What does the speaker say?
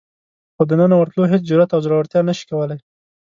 خو دننه ورتلو هېڅ جرئت او زړورتیا نشي کولای.